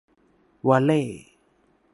วัลเล่ย์